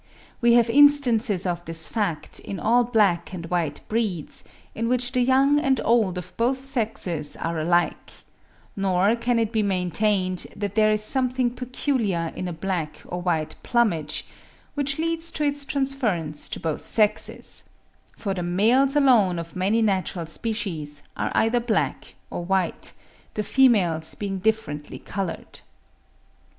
We have instances of this fact in all black and white breeds, in which the young and old of both sexes are alike; nor can it be maintained that there is something peculiar in a black or white plumage, which leads to its transference to both sexes; for the males alone of many natural species are either black or white, the females being differently coloured.